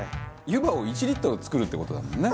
湯葉を１リットル作るって事だもんね。